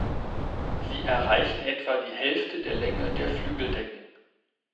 Sie erreichen etwa die Hälfte der Länge der Flügeldecken.